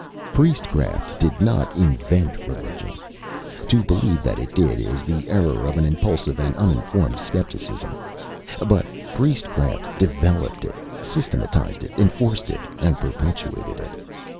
Priestcraft did not invent religion. To believe that it did is the error of an impulsive and uninformed scepticism. But priestcraft developed it, systematised it, enforced it, and perpetuated it.